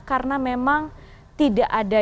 karena memang tidak ada